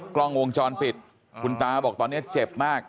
กล้องวงจรปิดคุณตาบอกตอนนี้เจ็บมาก